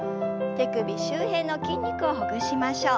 手首周辺の筋肉をほぐしましょう。